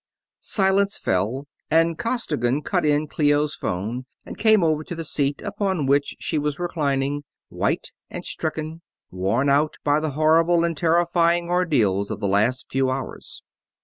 Silence fell, and Costigan cut in Clio's phone and came over to the seat upon which she was reclining, white and stricken worn out by the horrible and terrifying ordeals of the last few hours.